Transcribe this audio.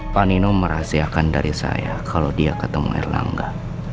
pak nino merahasiakan dari saya kalau dia ketemu erlangga